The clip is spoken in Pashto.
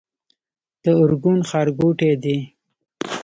د ارګون ښارګوټی دی